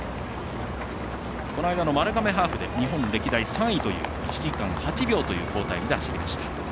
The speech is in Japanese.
この前の、丸亀ハーフで歴代３位１時間３分という好タイムで走りました。